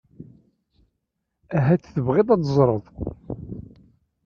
Ahat tebɣiḍ ad teẓreḍ.